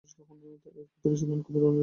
এঁর পুত্র ছিলেন কবি অরুণাচল বসু।